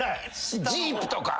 ジープとか。